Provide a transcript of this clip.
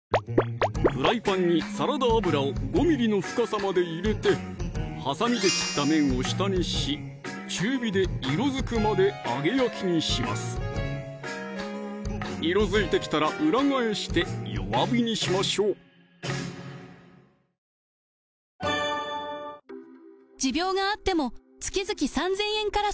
フライパンにサラダ油を５ｍｍの深さまで入れてはさみで切った面を下にし中火で色づくまで揚げ焼きにします色づいてきたら裏返して弱火にしましょうではですね